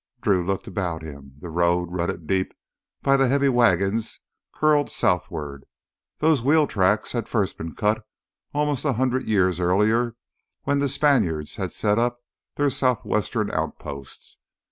Drew looked about him. The road, rutted deep by the heavy wagons, curled southward. Those wheel tracks had first been cut almost a hundred years earlier when the Spaniards had set up their southwestern outposts.